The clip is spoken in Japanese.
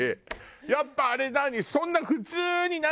やっぱあれ何？